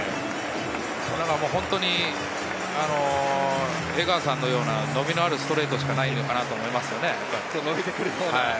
本当に江川さんのような伸びのあるストレートしかないのかなと思います。